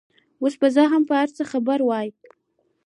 اوس به زه هم په هر څه خبره وای.